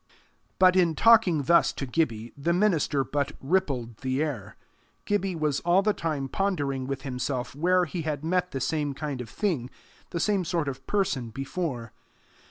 But in talking thus to Gibbie, the minister but rippled the air: Gibbie was all the time pondering with himself where he had met the same kind of thing, the same sort of person before.